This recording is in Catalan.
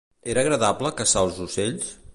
Era agradable caçar els ocells?